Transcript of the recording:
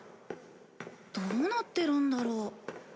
どうなってるんだろう？